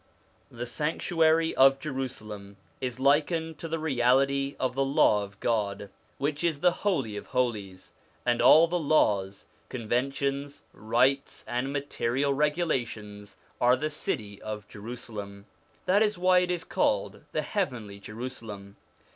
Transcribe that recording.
The sanctuary of Jerusalem is likened to the reality of the Law of God, which is the Holy of Holies, and all the laws, conventions, rites, and material regulations are the city of Jerusalem this is why it is called the heavenly Jerusalem.